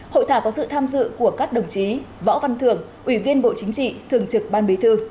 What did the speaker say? hội thảo có sự tham dự của các đồng chí võ văn thường ủy viên bộ chính trị thường trực ban bí thư